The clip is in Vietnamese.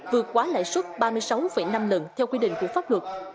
vượt quá lãi suất ba mươi sáu năm lần theo quy định của pháp luật